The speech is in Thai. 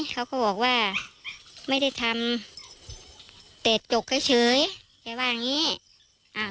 เขาก็บอกว่าไม่ได้ทำแต่จกเฉยเฉยแกว่าอย่างงี้อ่า